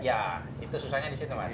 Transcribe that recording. ya itu susahnya di situ mas